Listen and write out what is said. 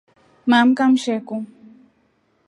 Maamka mshekuu.